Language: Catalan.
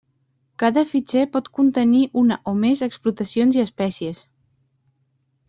Cada fitxer pot contenir una o més explotacions i espècies.